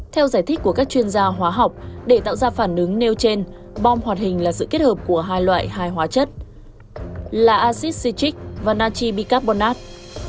theo giải thích của các chuyên gia hóa học để tạo ra phản ứng nêu trên bom hoạt hình là sự kết hợp của hai loại hai hóa chất là acid citric và natchi bicarbonate